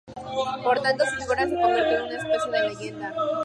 Por tanto, su figura se convierte en una especie de leyenda.